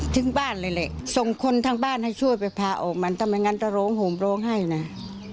ถึงบ้านไปเลยเสร็จส่งคนทางบ้านให้ช่วยไปผ่าออกมาทำไมงั้นจะหู้มโหมโลกให้เนี๊ยะ